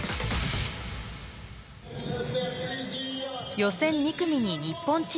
予選２組に日本チームが登場。